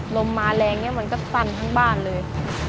ลมมาแรงเนี่ยมันก็สั้นทั้งบ้านเลย